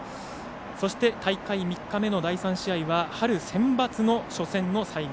大会３日目の第３試合は春センバツの初戦の再現